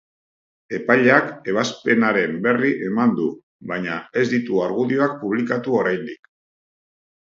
Epaileak ebazpenaren berri eman du, baina ez ditu argudioak publikatu oraindik.